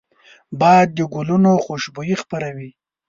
باد د ګلونو خوشبويي خپروي